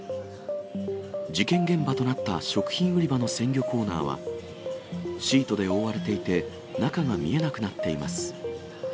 事件現場となった食品売り場の鮮魚コーナーは、シートで覆われていて、中が見えなくなっています。